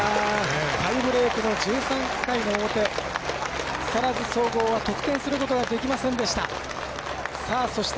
タイブレークの１３回の表木更津総合は得点することができませんでした。